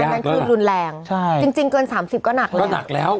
นั่นคือรุนแรงใช่จริงจริงเกินสามสิบก็หนักแล้วก็หนักแล้ว